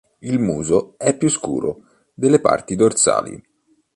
Il muso è più scuro delle parti dorsali.